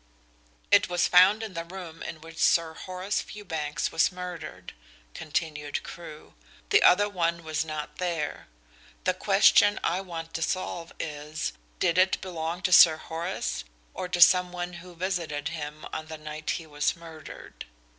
"It was found in the room in which Sir Horace Fewbanks was murdered," continued Crewe. "The other one was not there. The question I want to solve is, did it belong to Sir Horace, or to some one who visited him on the night he was murdered?